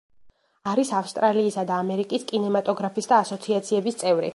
არის ავსტრალიისა და ამერიკის კინემატოგრაფისტთა ასოციაციების წევრი.